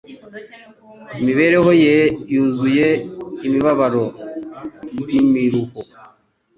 Imibereho ye yuzuye imibabaro n'imiruho;